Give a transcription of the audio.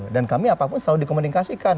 dan kami apapun selalu dikomunikasikan